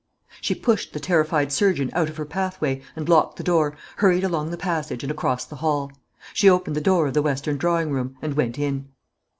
She pushed the terrified surgeon out of her pathway, and locked the door, hurried along the passage and across the hall. She opened the door of the western drawing room, and went in.